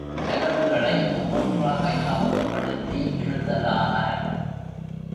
செலவுகளை ஒவ்வொன்றாக ஞாபகப்படுத்தி எழுதலானார்.